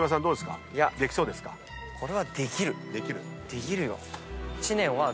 できるよ。